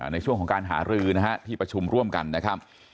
ในช่วงของการหารือนะฮะที่ประชุมร่วมกันนะครับ